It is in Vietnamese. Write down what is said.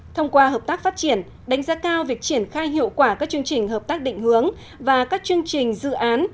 thông qua hợp tác phát triển đánh giá cao việc triển khai hiệu quả các chương trình hợp tác định hướng và các chương trình dự án